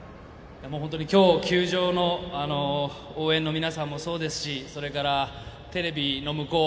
今日、球場の応援の皆さんもそうですしそれから、テレビの向こう